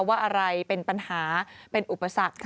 ว่าอะไรเป็นปัญหาเป็นอุปสรรค